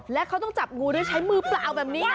และเขาต้องจับงูด้วยใช้มือเปล่าแบบนี้